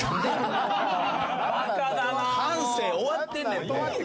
感性終わってんねんて。